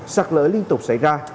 sạc lỡ liên tục xảy ra